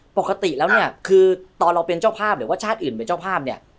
ปกติแล้วเนี่ยคือตอนเราเป็นเจ้าภาพหรือว่าชาติอื่นเป็นเจ้าภาพเนี่ย